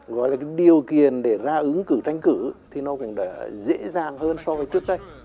gọi là cái điều kiện để ra ứng cử tranh cử thì nó cũng đã dễ dàng hơn so với trước đây